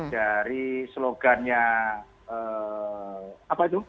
dari slogannya apa itu